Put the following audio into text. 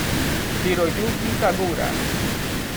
Hiroyuki Kagura